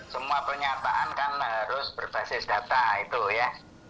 semua penyataan kan harus berbasis data itu ya